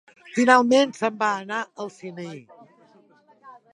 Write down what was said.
Finalment se'n va anar al Sinaí.